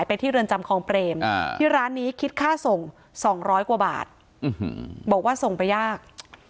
พลั่งก็ยาก